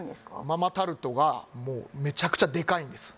ママタルトがもうめちゃくちゃでかいんです